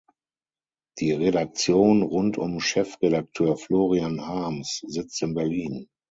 Die Redaktion rund um Chefredakteur Florian Harms sitzt in Berlin.